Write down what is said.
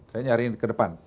saya nyariin ke depan